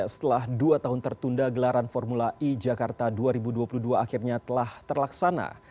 setelah dua tahun tertunda gelaran formula e jakarta dua ribu dua puluh dua akhirnya telah terlaksana